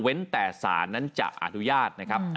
แต่สารนั้นจะอนุญาตนะครับ